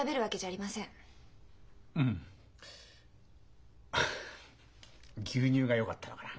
うん牛乳がよかったのかな？